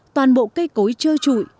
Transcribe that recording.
toàn bộ cây cối trơ trụi